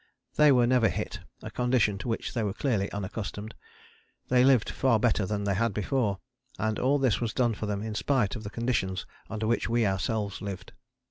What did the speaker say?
They were never hit, a condition to which they were clearly unaccustomed. They lived far better than they had before, and all this was done for them in spite of the conditions under which we ourselves lived.